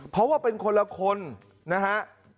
เพราะว่าเป็นคนละคนนะฮะ